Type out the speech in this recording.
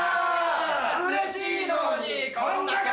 うれしいのにこんな顔！